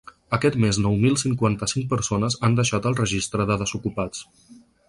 Aquest mes nou mil cinquanta-cinc persones han deixat el registre de desocupats.